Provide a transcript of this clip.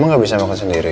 kenapa bisa makan sendiri